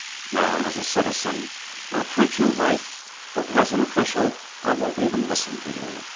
Now, as a citizen, I'll treat you right, but as an official, I won't even listen to you.